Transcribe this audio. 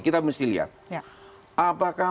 kita mesti lihat apakah